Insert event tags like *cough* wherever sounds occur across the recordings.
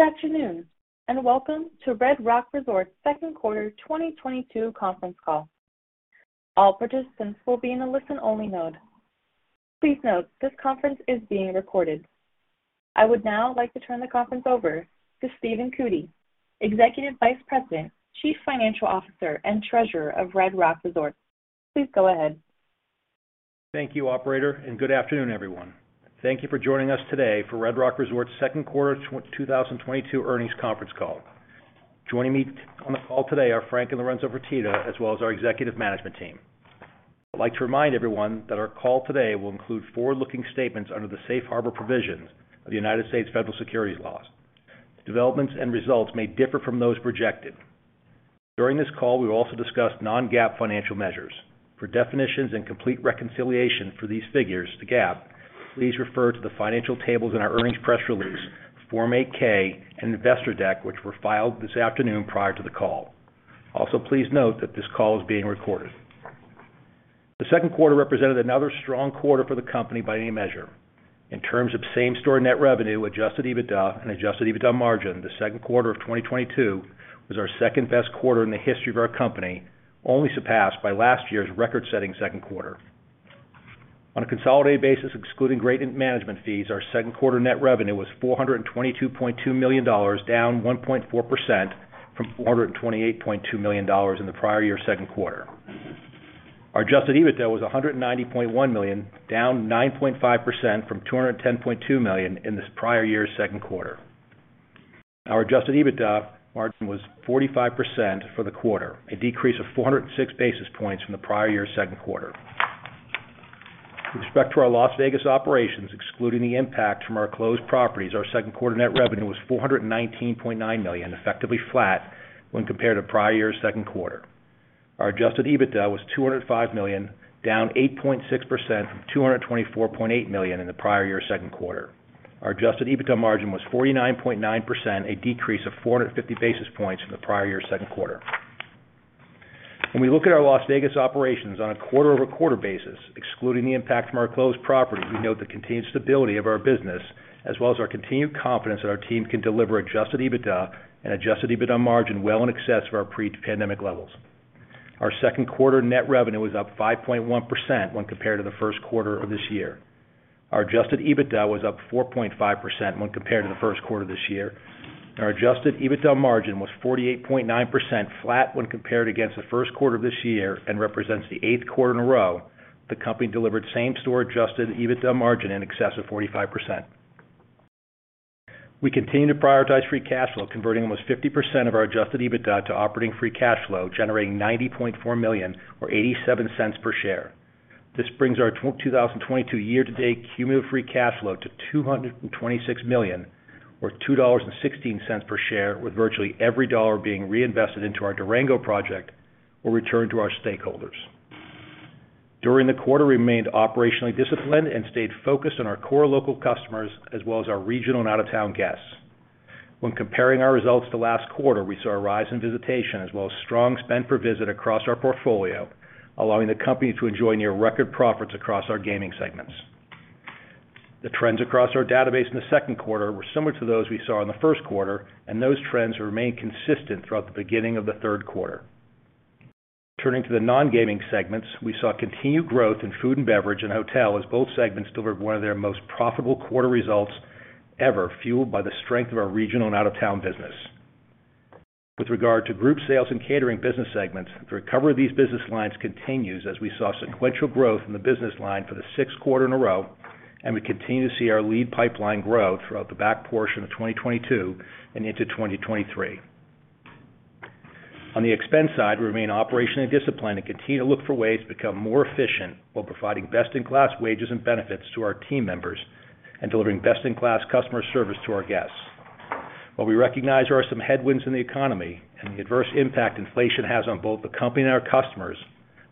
Good afternoon, everyone. Thank you for joining us today for Red Rock Resorts Q2 2022 earnings conference call. Joining me on the call today are Frank Fertitta and Lorenzo Fertitta, as well as our executive management team. I'd like to remind everyone that our call today will include forward-looking statements under the Safe Harbor provisions of the United States federal securities laws. Developments and results may differ from those projected. During this call, we will also discuss non-GAAP financial measures. For definitions and a complete reconciliation for these figures to GAAP, please refer to the financial tables in our earnings press release, Form 8-K, and Investor deck, which were filed this afternoon prior to the call. Also, please note that this call is being recorded. The Q2 represented another strong quarter for the company by any measure. In terms of same-store net revenue, adjusted EBITDA, and adjusted EBITDA margin, the Q2 of 2022 was our second-best quarter in the history of our company, only surpassed by last year's record-setting Q2. On a consolidated basis, excluding Graton management fees, our Q2 net revenue was $422.2 million, down 1.4% from $428.2 million in the prior year's Q2. Our adjusted EBITDA was $190.1 million, down 9.5% from $210.2 million in the prior year's Q2. Our adjusted EBITDA margin was 45% for the quarter, a decrease of 406 basis points from the prior year's Q2. With respect to our Las Vegas operations, excluding the impact from our closed properties, our Q2 net revenue was $419.9 million, effectively flat when compared to prior year's Q2. Our adjusted EBITDA was $205 million, down 8.6% from $224.8 million in the prior year's Q2. Our adjusted EBITDA margin was 49.9%, a decrease of 450 basis points from the prior year's Q2. When we look at our Las Vegas operations on a quarter-over-quarter basis, excluding the impact from our closed properties, we note the continued stability of our business as well as our continued confidence that our team can deliver adjusted EBITDA and adjusted EBITDA margin well in excess of our pre-pandemic levels. Our Q2 net revenue was up 5.1% when compared to the Q1 of this year. Our adjusted EBITDA was up 4.5% when compared to the Q1 this year. Our adjusted EBITDA margin was 48.9% flat when compared against the Q1 of this year and represents the 8th quarter in a row the company delivered same store adjusted EBITDA margin in excess of 45%. We continue to prioritize free cash flow, converting almost 50% of our adjusted EBITDA to operating free cash flow, generating $90.4 million or $0.87 per share. This brings our 2022 year-to-date cumulative free cash flow to $226 million or $2.16 per share, with virtually every dollar being reinvested into our Durango project or returned to our stakeholders. During the quarter, we remained operationally disciplined and stayed focused on our core local customers as well as our regional and out-of-town guests. When comparing our results to last quarter, we saw a rise in visitation as well as strong spend per visit across our portfolio, allowing the company to enjoy near record profits across our gaming segments. The trends across our database in the Q2 were similar to those we saw in the Q1, and those trends remain consistent throughout the beginning of the Q3. Turning to the non-gaming segments, we saw continued growth in food and beverage and hotel as both segments delivered one of their most profitable quarter results ever fueled by the strength of our regional and out-of-town business. With regard to group sales and catering business segments, the recovery of these business lines continues as we saw sequential growth in the business line for the sixth quarter in a row, and we continue to see our lead pipeline grow throughout the back portion of 2022 and into 2023. On the expense side, we remain operationally disciplined and continue to look for ways to become more efficient while providing best-in-class wages and benefits to our team members and delivering best-in-class customer service to our guests. While we recognize there are some headwinds in the economy and the adverse impact inflation has on both the company and our customers,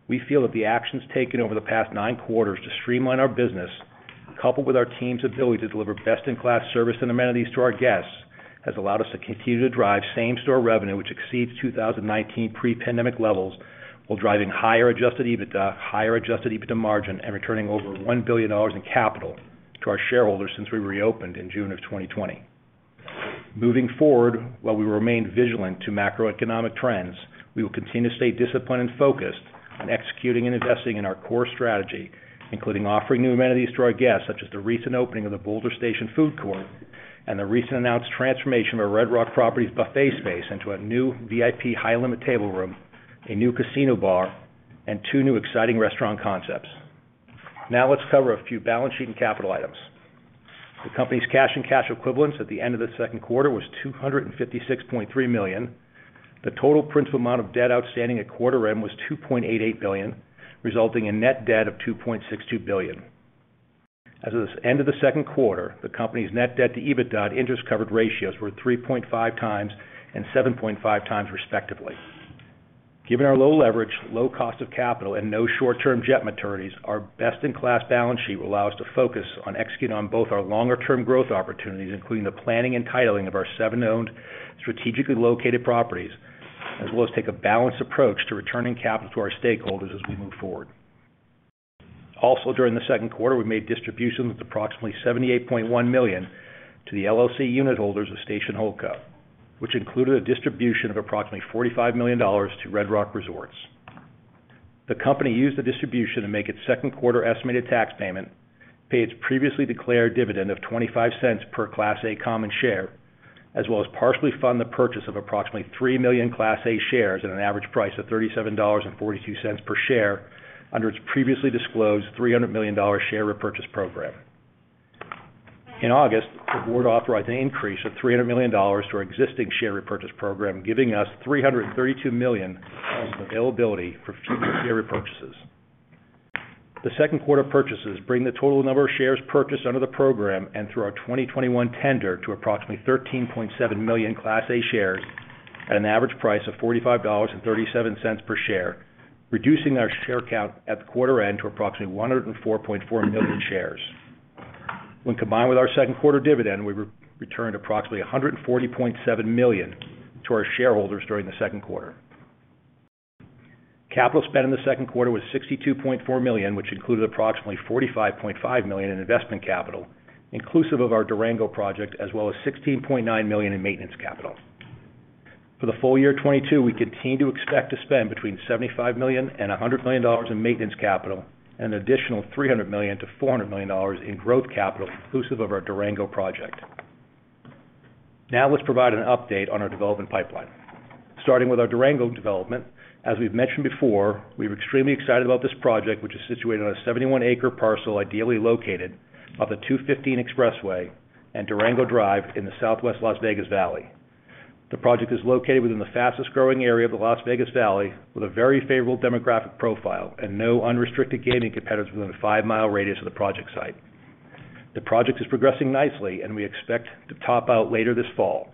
we feel that the actions taken over the past nine quarters to streamline our business, coupled with our team's ability to deliver best-in-class service and amenities to our guests, has allowed us to continue to drive same-store revenue, which exceeds 2019 pre-pandemic levels, while driving higher adjusted EBITDA, higher adjusted EBITDA margin, and returning over $1 billion in capital to our shareholders since we reopened in June of 2020. Moving forward, while we remain vigilant to macroeconomic trends, we will continue to stay disciplined and focused on executing and investing in our core strategy, including offering new amenities to our guests, such as the recent opening of the Boulder Station Food Court and the recent announced transformation of our Red Rock properties buffet space into a new VIP high-limit table room, a new casino bar, and two new exciting restaurant concepts. Now let's cover a few balance sheet and capital items. The company's cash and cash equivalents at the end of the Q2 was $256.3 million. The total principal amount of debt outstanding at quarter-end was $2.88 billion, resulting in net debt of $2.62 billion. As of the end of the Q2, the company's et-debt-to-EBITDA and interest coverage ratios were 3.5 times and 7.5 times, respectively. Given our low leverage, low cost of capital, and no short-term debt maturities, our best-in-class balance sheet will allow us to focus on executing on both our longer-term growth opportunities, including the planning and titling of our seven owned strategically located properties, as well as take a balanced approach to returning capital to our stakeholders as we move forward. Also, during the Q2, we made distributions of approximately $78.1 million to the LLC unit holders of Station Holdco, which included a distribution of approximately $45 million to Red Rock Resorts. The company used the distribution to make its Q2 estimated tax payment, pay its previously declared dividend of $0.25 per Class A common share, as well as partially fund the purchase of approximately 3 million Class A shares at an average price of $37.42 per share under its previously disclosed $300 million share repurchase program. In August, the board authorized an increase of $300 million to our existing share repurchase program, giving us $332 million of availability for future share repurchases. The Q2 purchases bring the total number of shares purchased under the program and through our 2021 tender to approximately 13.7 million Class A shares at an average price of $45.37 per share, reducing our share count at the quarter-end to approximately 104.4 million shares. When combined with our Q2 dividend, we returned approximately $140.7 million to our shareholders during the Q2. Capital spend in the Q2 was $62.4 million, which included approximately $45.5 million in investment capital, inclusive of our Durango Project, as well as $16.9 million in maintenance capital. For the full year 2022, we continue to expect to spend between $75 million and $100 million in maintenance capital and an additional $300 million-$400 million in growth capital, inclusive of our Durango project. Now let's provide an update on our development pipeline. Starting with our Durango development, as we've mentioned before, we're extremely excited about this project, which is situated on a 71-acre parcel ideally located off the 215 Expressway and Durango Drive in the southwest Las Vegas Valley. The project is located within the fastest-growing area of the Las Vegas Valley, with a very favorable demographic profile and no unrestricted gaming competitors within a five-mile radius of the project site. The project is progressing nicely, and we expect to top out later this fall.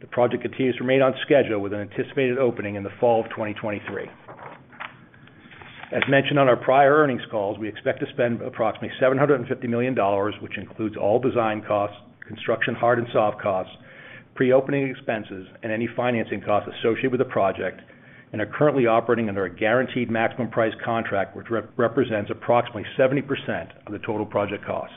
The project continues to remain on schedule with an anticipated opening in the fall of 2023. As mentioned on our prior earnings calls, we expect to spend approximately $750 million, which includes all design costs, construction hard and soft costs, pre-opening expenses, and any financing costs associated with the project, and are currently operating under a guaranteed maximum price contract, which represents approximately 70% of the total project cost.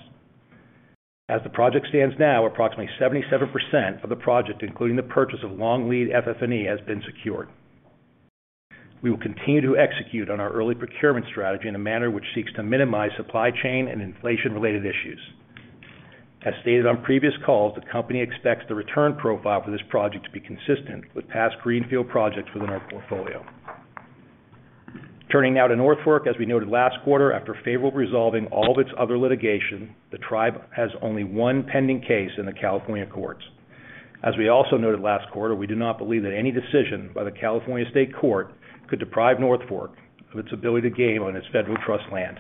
As the project stands now, approximately 77% of the project, including the purchase of long-lead FF&E, has been secured. We will continue to execute on our early procurement strategy in a manner which seeks to minimize supply chain and inflation-related issues. As stated on previous calls, the company expects the return profile for this project to be consistent with past greenfield projects within our portfolio. Turning now to North Fork. As we noted last quarter, after favorably resolving all of its other litigation, the tribe has only one pending case in the California courts. As we also noted last quarter, we do not believe that any decision by the California State Court could deprive North Fork of its ability to game on its federal trust land.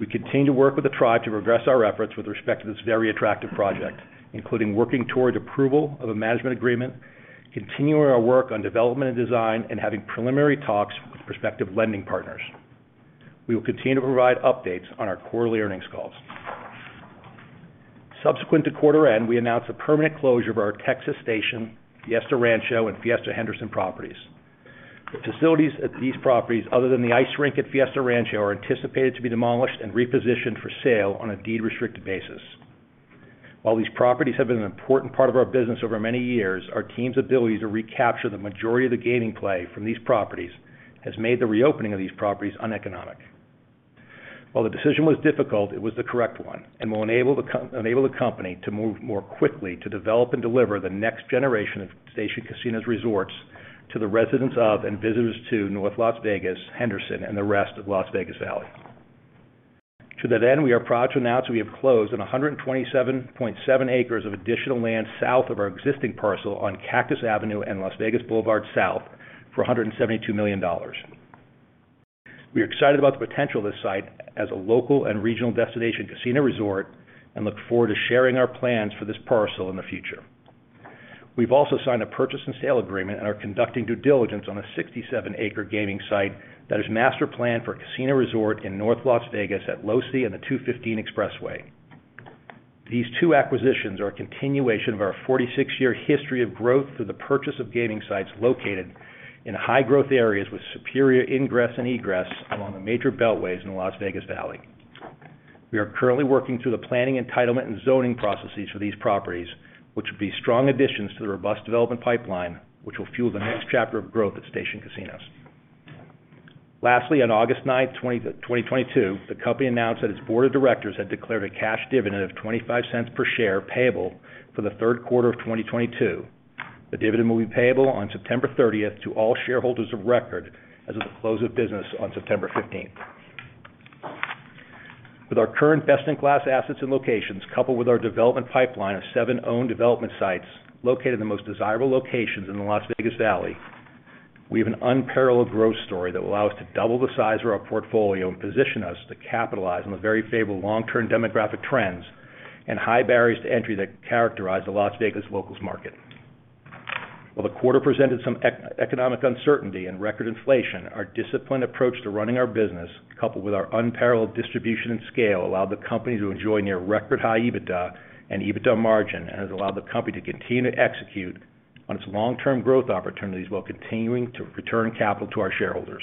We continue to work with the tribe to progress our efforts with respect to this very attractive project, including working towards approval of a management agreement, continuing our work on development and design, and having preliminary talks with prospective lending partners. We will continue to provide updates on our quarterly earnings calls. Subsequent to quarter-end, we announced the permanent closure of our Texas Station, Fiesta Rancho, and Fiesta Henderson properties. The facilities at these properties, other than the ice rink at Fiesta Rancho, are anticipated to be demolished and repositioned for sale on a deed-restricted basis. While these properties have been an important part of our business over many years, our team's ability to recapture the majority of the gaming play from these properties has made the reopening of these properties uneconomic. While the decision was difficult, it was the correct one and will enable the company to move more quickly to develop and deliver the next generation of Station Casinos Resorts to the residents of and visitors to North Las Vegas, Henderson, and the rest of Las Vegas Valley. To that end, we are proud to announce we have closed on 127.7 acres of additional land south of our existing parcel on Cactus Avenue and Las Vegas Boulevard South for $172 million. We are excited about the potential of this site as a local and regional destination casino resort and look forward to sharing our plans for this parcel in the future. We've also signed a purchase and sale agreement and are conducting due diligence on a 67-acre gaming site that is master planned for a casino resort in North Las Vegas at Losee and the 215 Expressway. These two acquisitions are a continuation of our 46-year history of growth through the purchase of gaming sites located in high-growth areas with superior ingress and egress along the major beltways in the Las Vegas Valley. We are currently working through the planning, entitlement, and zoning processes for these properties, which will be strong additions to the robust development pipeline, which will fuel the next chapter of growth at Station Casinos. Lastly, on August 9, 2022, the company announced that its board of directors had declared a cash dividend of $0.25 per share payable for the Q3 of 2022. The dividend will be payable on September 30 to all shareholders of record as of the close of business on September 15. With our current best-in-class assets and locations, coupled with our development pipeline of seven owned development sites located in the most desirable locations in the Las Vegas Valley, we have an unparalleled growth story that will allow us to double the size of our portfolio and position us to capitalize on the very favorable long-term demographic trends and high barriers to entry that characterize the Las Vegas locals market. While the quarter presented some economic uncertainty and record inflation, our disciplined approach to running our business, coupled with our unparalleled distribution and scale, allowed the company to enjoy near record high EBITDA and EBITDA margin and has allowed the company to continue to execute on its long-term growth opportunities while continuing to return capital to our shareholders.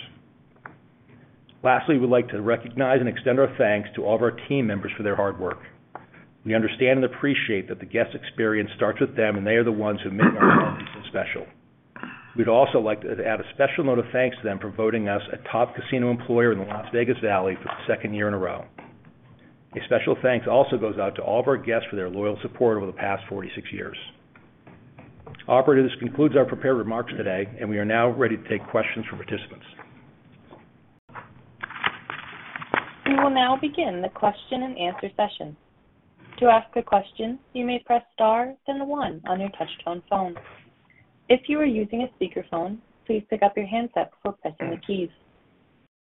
Lastly, we'd like to recognize and extend our thanks to all of our team members for their hard work. We understand and appreciate that the guest experience starts with them, and they are the ones who make our properties special. We'd also like to add a special note of thanks to them for voting us a top casino employer in the Las Vegas Valley for the second year in a row. A special thanks also goes out to all of our guests for their loyal support over the past 46 years. Operator, this concludes our prepared remarks today, and we are now ready to take questions from participants. We will now begin the question-and-answer session. To ask a question, you may press star, then one on your touchtone phone. If you are using a speakerphone, please pick up your handset before pressing the keys.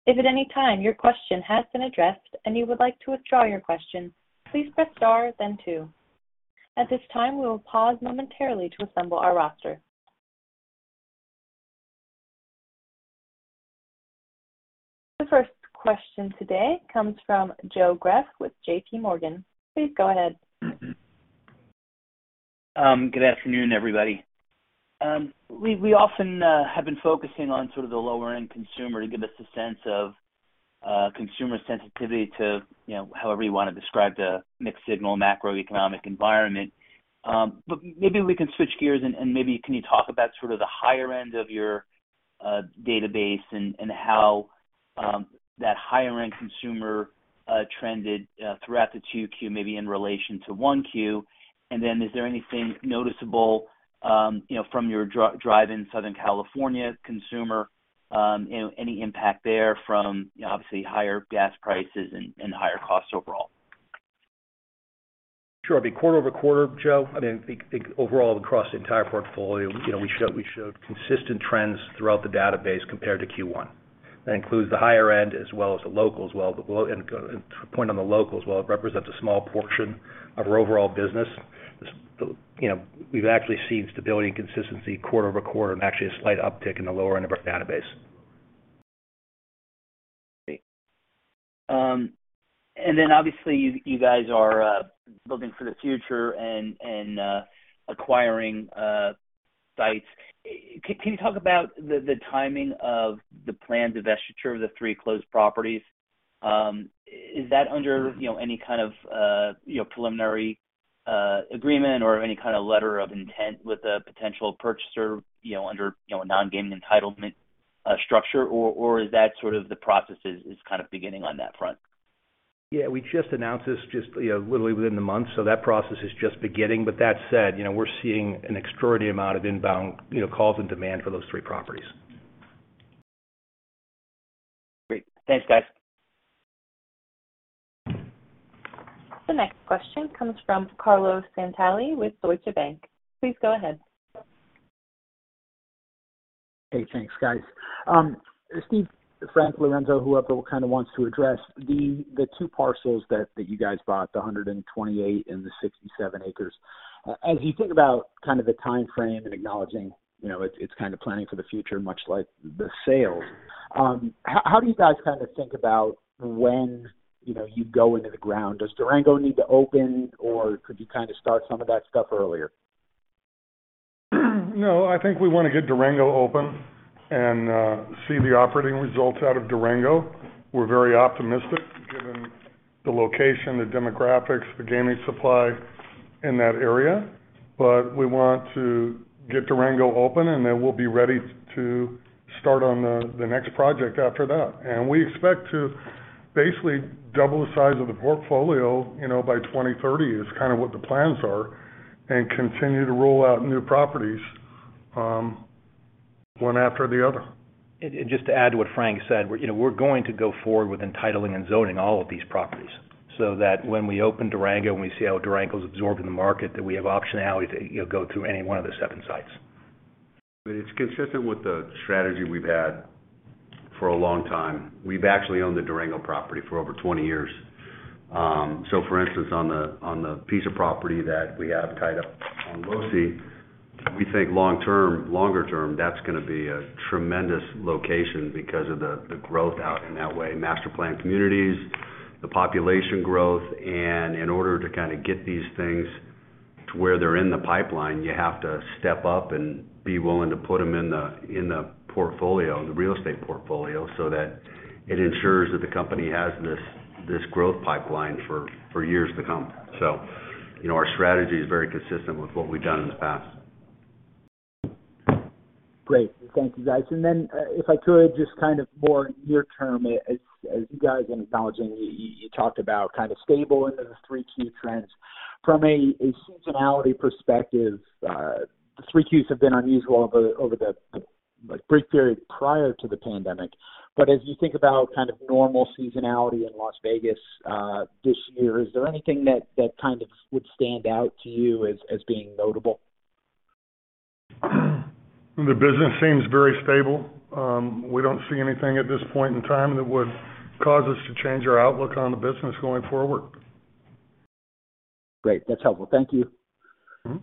If at any time your question has been addressed and you would like to withdraw your question, please press star then two. At this time, we will pause momentarily to assemble our roster. The first question today comes from Joe Greff with J.P. Morgan. Please go ahead. Good afternoon, everybody. We often have been focusing on sort of the lower-end consumer to give us a sense of consumer sensitivity to, however you want to describe the mixed signal macroeconomic environment. But maybe we can switch gears and maybe can you talk about sort of the higher end of your database and how that higher-end consumer trended throughout the 2Q, maybe in relation to 1Q. Then is there anything noticeable, from your drive in Southern California consumer, any impact there from obviously higher gas prices and higher costs overall? Sure. I mean, quarter-over-quarter, Joe, I mean, I think overall across the entire portfolio, we showed consistent trends throughout the database compared to Q1. That includes the higher end as well as the locals, and to point on the locals, while it represents a small portion of our overall business, we've actually seen stability and consistency quarter-over-quarter and actually a slight uptick in the lower end of our database. Great. Obviously you guys are building for the future and acquiring sites. Can you talk about the timing of the planned divestiture of the three closed properties? Is that under any kind of preliminary agreement or any kind of letter of intent with a potential purchaser under a non-gaming entitlement structure? Or is that sort of the process is kind of beginning on that front? Yeah, we just announced this just, literally within the month, so that process is just beginning. That said, we're seeing an extraordinary amount of inbound, calls and demand for those three properties. Great. Thanks, guys. Hey, thanks, guys. Steve, Frank, Lorenzo, whoever kind of wants to address the two parcels that you guys bought, the 128 and the 67 acres. As you think about kind of the timeframe and acknowledging it's kind of planning for the future, much like the sales, how do you guys kind of think about when you go into the ground? Does Durango need to open, or could you kind of start some of that stuff earlier? No, I think we want to get Durango open and see the operating results out of Durango. We're very optimistic given the location, the demographics, the gaming supply in that area. We want to get Durango open, and then we'll be ready to start on the next project after that. We expect to basically double the size of the portfolio, by 2030 is kind of what the plans are, and continue to roll out new properties, one after the other. Just to add to what Frank said, we're, going to go forward with entitling and zoning all of these properties so that when we open Durango and we see how Durango is absorbed in the market, that we have optionality to, go to any one of the seven sites. But it's consistent with the strategy we've had for a long time. We've actually owned the Durango property for over 20 years. So for instance, on the piece of property that we have tied up on Losee, we think long-term, longer term, that's going to be a tremendous location because of the growth out in that way. Master plan communities, the population growth. In order to kind of get these things to where they're in the pipeline, you have to step up and be willing to put them in the portfolio, in the real estate portfolio, so that it ensures that the company has this growth pipeline for years to come. Our strategy is very consistent with what we've done in the past. Great. Thank you, guys. If I could just kind of more near-term, as you guys in acknowledging, you talked about kind of stability in the 3 key trends. From a seasonality perspective, the 3 Qs have been unusual over the weak period prior to the pandemic. As you think about kind of normal seasonality in Las Vegas, this year, is there anything that kind of would stand out to you as being notable? The business seems very stable. We don't see anything at this point in time that would cause us to change our outlook on the business going forward. Great. That's helpful. Thank you. Mm-hmm.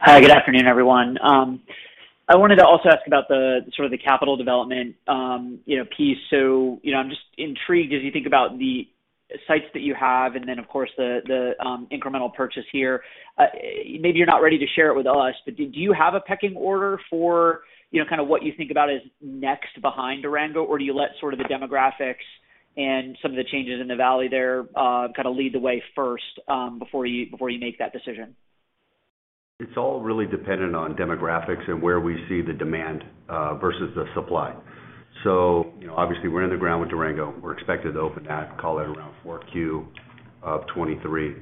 Hi, good afternoon, everyone. I wanted to also ask about the sort of the capital development piece. I'm just intrigued as you think about the sites that you have and then of course, the incremental purchase here, maybe you're not ready to share it with us. Do you have a pecking order for, kind of what you think about is next behind Durango? Or do you let sort of the demographics and some of the changes in the valley there, kind of lead the way first, before you make that decision? It's all really dependent on demographics and where we see the demand versus the supply. Obviously we're in the ground with Durango. We're expected to open that, call it around 4Q of 2023.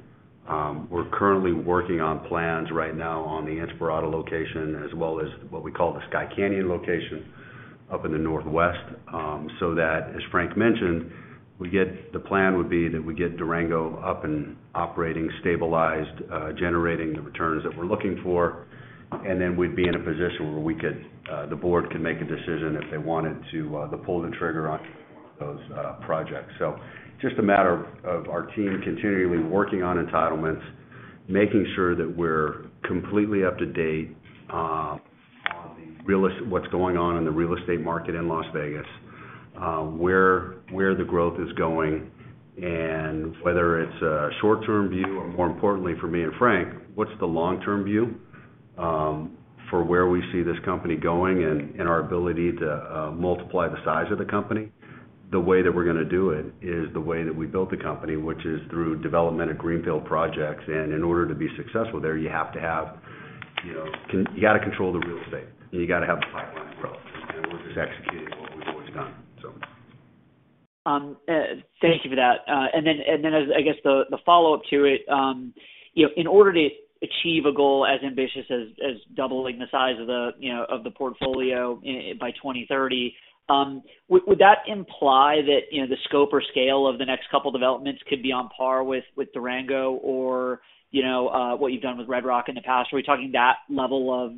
We're currently working on plans right now on the Inspirada location, as well as what we call the Skye Canyon location up in the Northwest. So that, as Frank mentioned, the plan would be that we get Durango up and operating, stabilized, generating the returns that we're looking for. We'd be in a position where we could, the board can make a decision if they wanted to pull the trigger on those projects. Just a matter of our team continually working on entitlements, making sure that we're completely up to date on what's going on in the real estate market in Las Vegas, where the growth is going, and whether it's a short-term view, or more importantly for me and Frank, what's the long-term view for where we see this company going and our ability to multiply the size of the company. The way that we're going to do it is the way that we built the company, which is through development of greenfield projects. In order to be successful there, you have to control the real estate, and you got to have the pipeline growth. We're just executing what we've always done so. Thank you for that. As the follow-up to it, in order to achieve a goal as ambitious as doubling the size of the portfolio by 2030, would that imply that, the scope or scale of the next couple developments could be on par with Durango or what you've done with Red Rock in the past? Are we talking that level of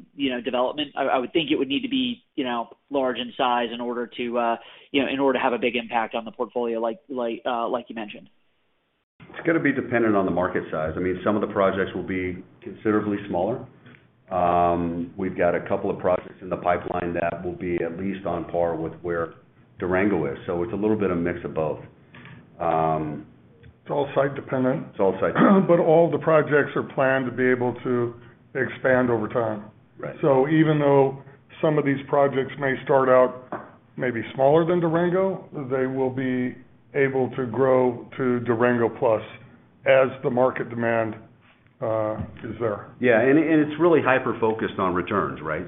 development? I would think it would need to be large in size in order to have a big impact on the portfolio like you mentioned. It's going to be dependent on the market size. I mean, some of the projects will be considerably smaller. We've got a couple of projects in the pipeline that will be at least on par with where Durango is. It's a little bit of a mix of both. It's all site dependent. It's all site dependent. All the projects are planned to be able to expand over time. Right. Even though some of these projects may start out maybe smaller than Durango, they will be able to grow to Durango plus as the market demand is there. Yeah. It's really hyper-focused on returns, right?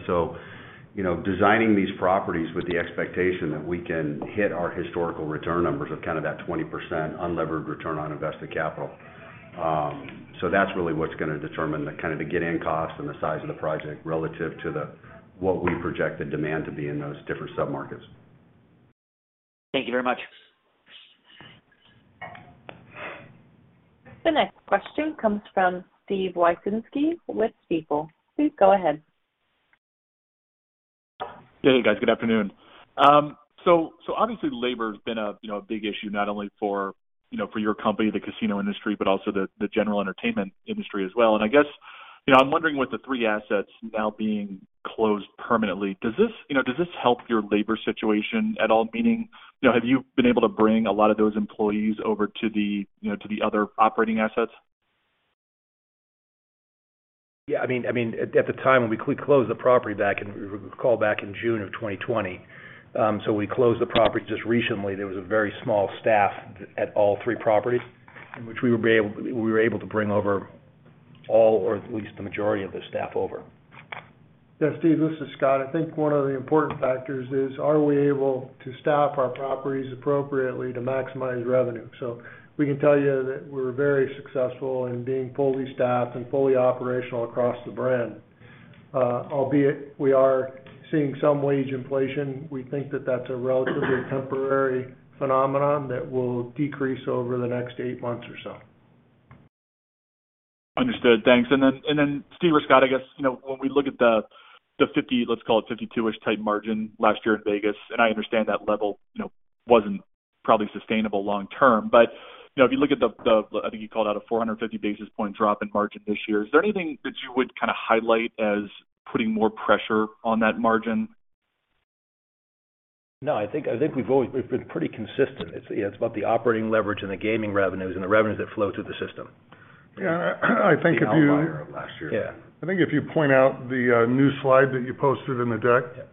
designing these properties with the expectation that we can hit our historical return numbers of kind of that 20% unlevered return on invested capital. That's really what's going to determine the kind of the get in cost and the size of the project relative to the, what we project the demand to be in those different submarkets. Thank you very much. Yeah. Hey, guys, good afternoon. So obviously labor has been a big issue not only for, your company, the casino industry, but also the general entertainment industry as well. I guess, I'm wondering with the three assets now being closed permanently, does this, does this help your labor situation at all? Meaning, have you been able to bring a lot of those employees over to the, to the other operating assets? Yeah. I mean, at the time when we closed the property back in June of 2020, so we closed the property just recently. There was a very small staff at all three properties, in which we were able to bring over all or at least the majority of the staff over. Yeah. Steve, this is Scott. I think one of the important factors is, are we able to staff our properties appropriately to maximize revenue? We can tell you that we're very successful in being fully staffed and fully operational across the brand. Albeit we are seeing some wage inflation, we think that that's a relatively temporary phenomenon that will decrease over the next eight months or so. Understood. Thanks. Steve or Scott, I guess, when we look at the 50, let's call it 52-ish% margin last year in Vegas, and I understand that level, wasn't probably sustainable long term. If you look at the, I think you called out a 450 basis point drop in margin this year, is there anything that you would kind of highlight as putting more pressure on that margin? No, I think we've always been pretty consistent. It's, yeah, it's about the operating leverage and the gaming revenues and the revenues that flow through the system. Yeah. I think if you The outlier of last year. Yeah. I think if you point out the new slide that you posted in the deck. Yeah.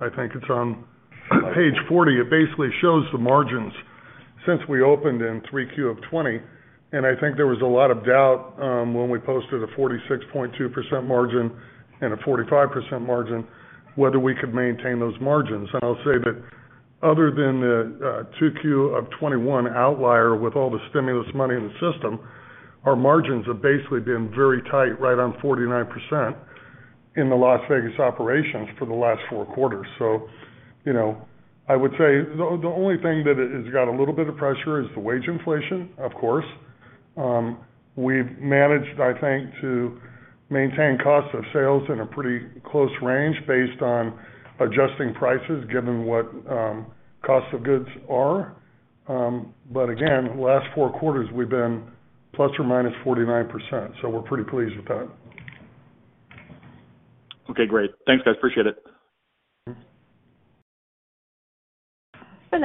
I think it's on page 40. It basically shows the margins since we opened in 3Q of 2020. I think there was a lot of doubt when we posted a 46.2% margin and a 45% margin, whether we could maintain those margins. I'll say that other than the 2Q of 2021 outlier with all the stimulus money in the system, our margins have basically been very tight, right on 49% in the Las Vegas operations for the last four quarters. I would say the only thing that has got a little bit of pressure is the wage inflation, of course. We've managed, I think, to maintain cost of sales in a pretty close range based on adjusting prices given what cost of goods are. Again, last Q4's we've been ±49%, so we're pretty pleased with that. Okay, great. Thanks guys, appreciate it. Hey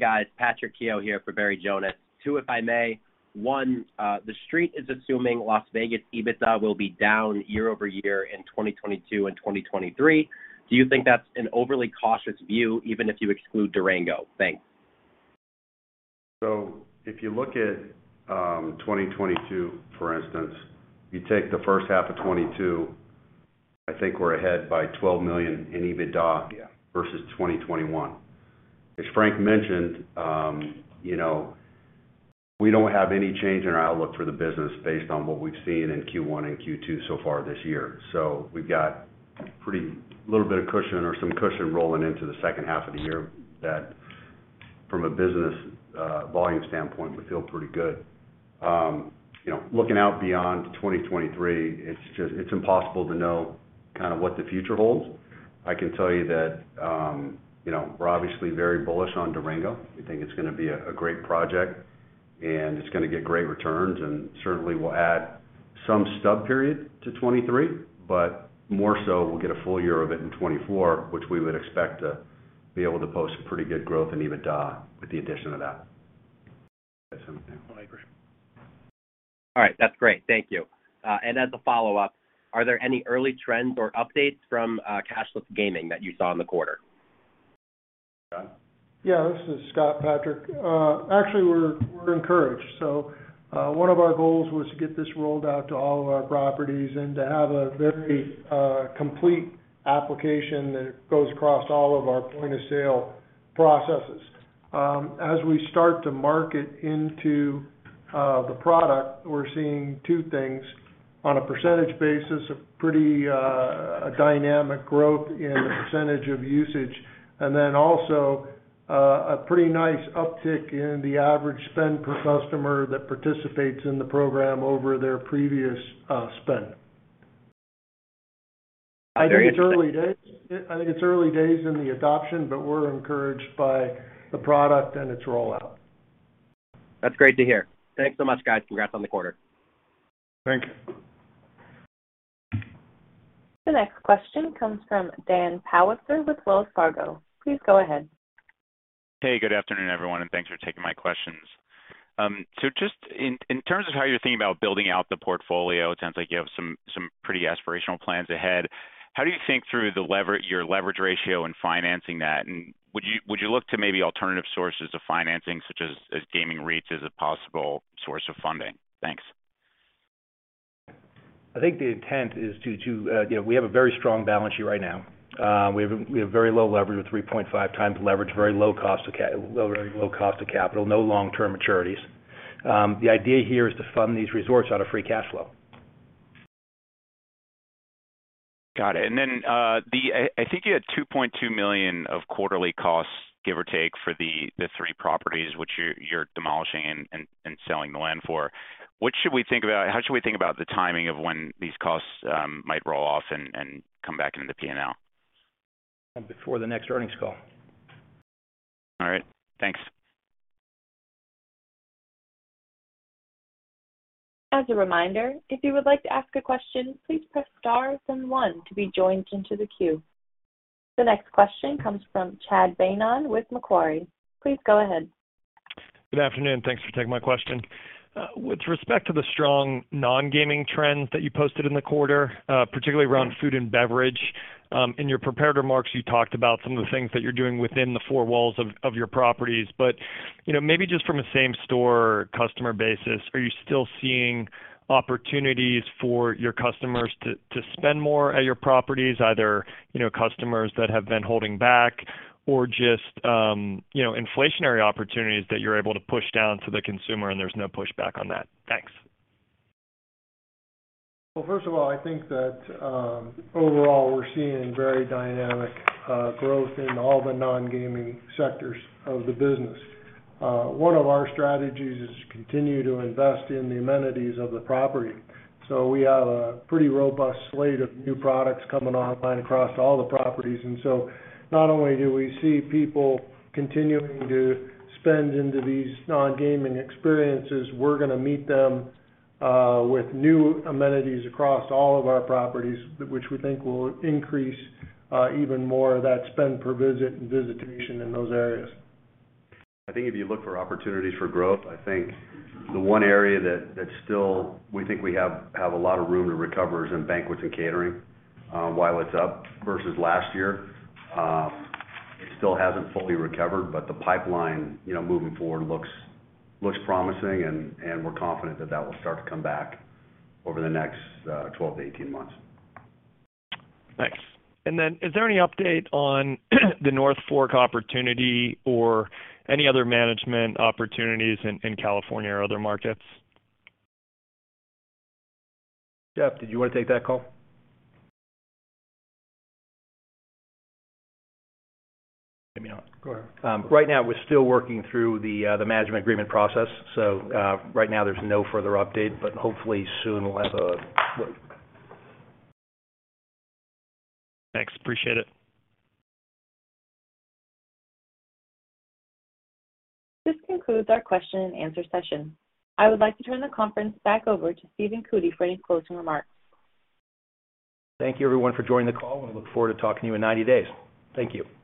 guys, Patrick Keough here for Barry Jonas. Two, if I may. One, The Street is assuming Las Vegas EBITDA will be down year-over-year in 2022 and 2023. Do you think that's an overly cautious view, even if you exclude Durango? Thanks. If you look at 2022, for instance, you take the first half of 2022, I think we're ahead by $12 million in EBITDA. Yeah. versus 2021. As Frank mentioned, we don't have any change in our outlook for the business based on what we've seen in Q1 and Q2 so far this year. we've got a little bit of cushion or some cushion rolling into the second half of the year that from a business, volume standpoint, we feel pretty good. Looking out beyond 2023, it's impossible to know what the future holds. I can tell you that, we're obviously very bullish on Durango. We think it's going to be a great project and it's going to get great returns and certainly will add some stub period to 2023, but more so we'll get a full year of it in 2024, which we would expect to be able to post pretty good growth in EBITDA with the addition of that. I agree. All right. That's great. Thank you. As a follow-up, are there any early trends or updates from cashless gaming that you saw in the quarter? John? Yeah, this is Scott, Patrick. Actually, we're encouraged. One of our goals was to get this rolled out to all of our properties and to have a very complete application that goes across all of our point-of-sale processes. As we start to market into the product, we're seeing two things. On a percentage basis, a pretty dynamic growth in the percentage of usage, and then also a pretty nice uptick in the average spend per customer that participates in the program over their previous spend. *crosstalk* I think it's early days in the adoption, but we're encouraged by the product and its rollout. That's great to hear. Thanks so much, guys. Congrats on the quarter. Thank you. Hey, good afternoon, everyone, and thanks for taking my questions. So just in terms of how you're thinking about building out the portfolio, it sounds like you have some pretty aspirational plans ahead. How do you think through your leverage ratio and financing that? And would you look to maybe alternative sources of financing such as gaming REITs as a possible source of funding? Thanks. I think the intent is to. We have a very strong balance sheet right now. We have very low leverage with 3.5 times leverage, very low cost of capital, no long-term maturities. The idea here is to fund these resorts out of free cash flow. Got it. I think you had $2.2 million of quarterly costs, give or take, for the three properties which you're demolishing and selling the land for. How should we think about the timing of when these costs might roll off and come back into the P&L? Before the next earnings call. All right. Thanks. Good afternoon. Thanks for taking my question. With respect to the strong non-gaming trends that you posted in the quarter, particularly around food and beverage, in your prepared remarks, you talked about some of the things that you're doing within the four walls of your properties. Maybe just from a same store customer basis, are you still seeing opportunities for your customers to spend more at your properties, either, customers that have been holding back or just, inflationary opportunities that you're able to push down to the consumer and there's no pushback on that? Thanks. Well, first of all, I think that, overall, we're seeing very dynamic growth in all the non-gaming sectors of the business. One of our strategies is to continue to invest in the amenities of the property. We have a pretty robust slate of new products coming online across all the properties. Not only do we see people continuing to spend into these non-gaming experiences, we're going to meet them with new amenities across all of our properties, which we think will increase even more of that spend per visit and visitation in those areas. I think if you look for opportunities for growth, I think the one area that still we think we have a lot of room to recover is in banquets and catering. While it's up versus last year, it still hasn't fully recovered, but the pipeline, moving forward looks promising and we're confident that that will start to come back over the next 12-18 months. Thanks. Is there any update on the North Fork opportunity or any other management opportunities in California or other markets? Jeff, did you want to take that call? Maybe not. Go ahead. Right now we're still working through the management agreement process. Right now there's no further update, but hopefully soon we'll have a Thanks. Appreciate it. Thank you everyone for joining the call, and we look forward to talking to you in 90 days. Thank you.